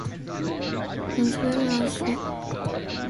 As well as the priests of Izumo and the Sugawara clan.